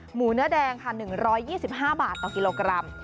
หมูเนื้อแดงค่ะ๑๒๕บาทต่อกิโลกรัม